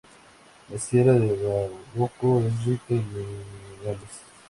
La sierra de Bahoruco es rica en minerales.